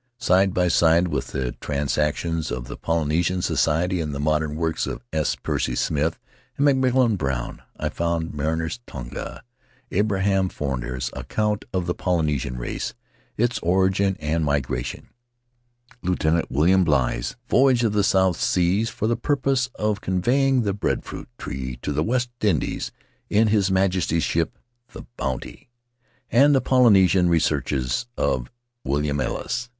Side by side with the transactions of the Polynesian Society and the modern works of S. Percy Smith and McMillan Brown, I found Mariner's Tonga, Abraham Fornander's Account of the Polynesian Race: Its Origin and Migration, Lieut. William Bligh's Voyage to the South Seas for the Purpose of Conveying the Bread fruit Tree to the West Indies, in His Majesty's Ship the "Bounty," and the Polynesian Researches of William Ellis.